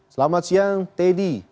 selamat siang teddy